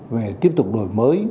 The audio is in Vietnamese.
và tiếp tục đổi mới